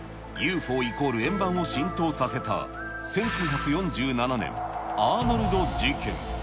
イコール円盤を浸透させた１９４７年、アーノルド事件。